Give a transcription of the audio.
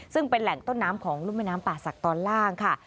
ซึ่งเป็นแหล่งต้นน้ำของรุ่มแม่น้ำป่าศักดิ์ตอนล่างค่ะ